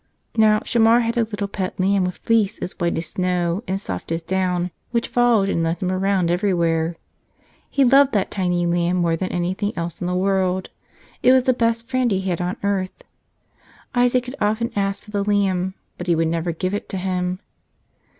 Now, Shamar had a little pet lamb with fleece as white as snow and soft as down, which followed and led him around everywhere. He loved that tiny lamb more than anything else in the world; it was the best friend he had on earth. Isaac had often asked for the lamb, but he would never give it to him.